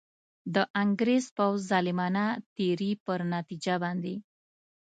د انګرېز پوځ ظالمانه تېري پر نتیجه باندي.